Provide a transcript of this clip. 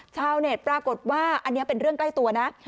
ชาวเน็ตปรากฏว่าอันนี้เป็นเรื่องใกล้ตัวนะ